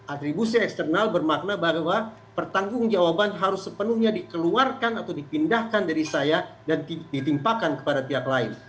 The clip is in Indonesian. atribusi eksternal bermakna bahwa pertanggung jawaban harus sepenuhnya dikeluarkan atau dipindahkan dari saya dan ditimpakan kepada pihak lain